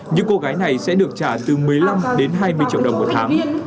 những cô gái này sẽ được trả từ một mươi năm đến hai mươi triệu đồng một tháng